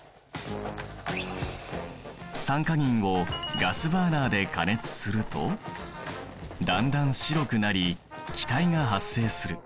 酸化銀をガスバーナーで加熱するとだんだん白くなり気体が発生する。